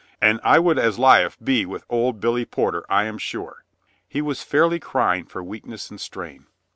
And I would as lief be with old Billy Porter, I am sure." He was fairly crying for weakness and strain.